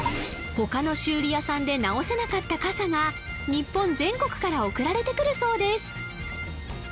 他の修理屋さんで直せなかった傘が日本全国から送られてくるそうです